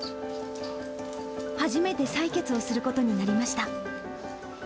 初めて採血をすることになりました。